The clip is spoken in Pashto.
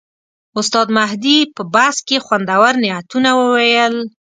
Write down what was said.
استاد مهدي په بس کې خوندور نعتونه وویل.